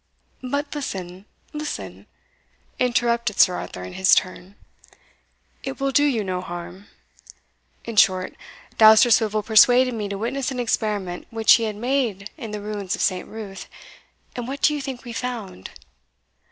"But listen listen," interrupted Sir Arthur in his turn, "it will do you no harm. In short, Dousterswivel persuaded me to witness an experiment which he had made in the ruins of St. Ruth and what do you think we found?"